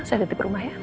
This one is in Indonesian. saya detip rumah ya